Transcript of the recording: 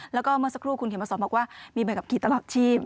แล้วก็เมื่อสักครู่คุณเขียนมาสอนบอกว่ามีใบขับขี่ตลอดชีพ